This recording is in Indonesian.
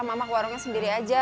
mama warungnya sendiri aja